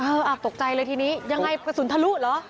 อาบตกใจเลยทีนี้ยังไงกระสุนทะลุเหรอ